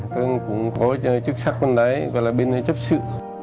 tôi cũng có chức sắc bên đấy gọi là bên đấy chấp sự